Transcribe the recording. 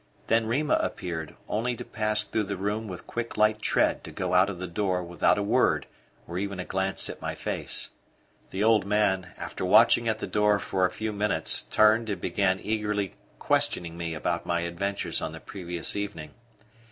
Then Rima appeared only to pass through the room with quick light tread to go out of the door without a word or even a glance at my face. The old man, after watching at the door for a few minutes, turned and began eagerly questioning me about my adventures on the previous evening.